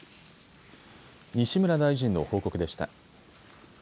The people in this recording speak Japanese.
西村大臣の報告でした。